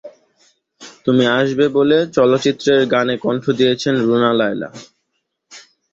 তুমি আসবে বলে চলচ্চিত্রের গানে কণ্ঠ দিয়েছেন রুনা লায়লা।